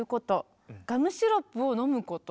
「ガムシロップを飲むこと」。